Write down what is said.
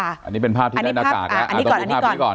อันนี้เป็นภาพที่ได้หน้ากากแล้วอันนี้ก่อนอันนี้ก่อน